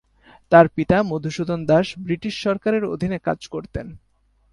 তার পিতা মধুসূদন দাস ব্রিটিশ সরকারের অধীনে কাজ করতেন।